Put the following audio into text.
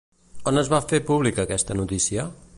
On es va fer pública aquesta notícia?